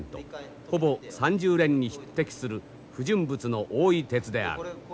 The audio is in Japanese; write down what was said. ほぼ三十練に匹敵する不純物の多い鉄である。